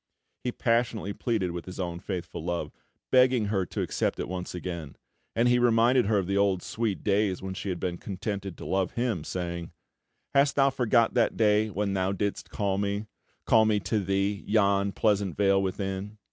He passionately pleaded his own faithful love, begging her to accept it once again; and he reminded her of the old sweet days when she had been contented to love him, saying: "Hast thou forgot that day when thou didst call me, Call me to thee, yon pleasant vale within?